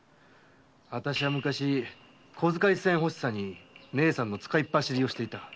私は昔小遣い銭欲しさに姐さんの使いっ走りをしてた。